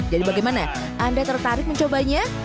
jadi bagaimana anda tertarik mencobanya